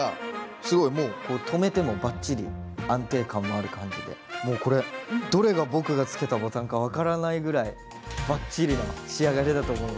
すごいもう留めてもばっちり安定感もある感じでもうこれどれが僕がつけたボタンか分からないぐらいバッチリな仕上がりだと思います。